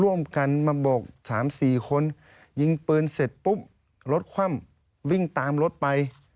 ร่วมกันมาโบก๓๔คนยิงปืนเสร็จปุ๊บรถคว่ำวิ่งตามรถไป